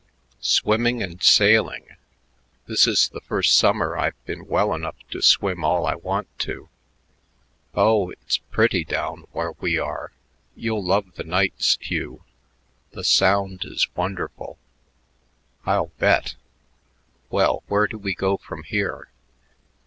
"Swimming' and sailing. This is the first summer I've been well enough to swim all I want to. Oh, it's pretty down where we are. You'll love the nights, Hugh. The Sound is wonderful." "I'll bet. Well, where do we go from here?